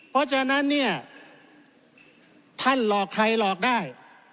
เพราะฉะนั้นเนี่ยท่านหลอกใครหลอกได้